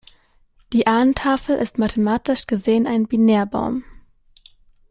Die Ahnentafel ist mathematisch gesehen ein Binärbaum.